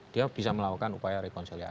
dia bisa melakukan upaya rekonsiliasi